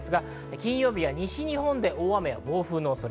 金曜日は西日本で大雨や暴風の恐れ。